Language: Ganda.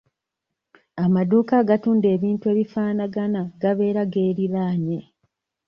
Amaduuka agatunda ebintu ebifaanagana gabeera geeriraanye.